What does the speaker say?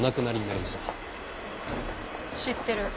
知ってる。